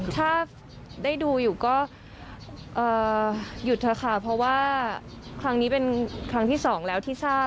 ถ้าได้ดูอยู่ก็หยุดเถอะค่ะเพราะว่าครั้งนี้เป็นครั้งที่สองแล้วที่ทราบ